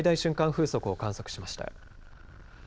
風速を観測しました。